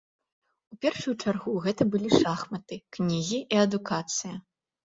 У першую чаргу гэта былі шахматы, кнігі і адукацыя.